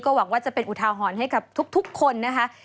หวังว่าจะเป็นอุทาหรณ์ให้กับทุกคนนะคะ